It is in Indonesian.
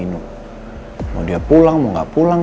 damoprof dengan ketoh bangsa